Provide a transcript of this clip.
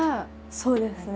そうですね。